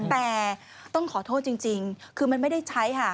แต่ต้องขอโทษจริงคือมันไม่ได้ใช้ค่ะ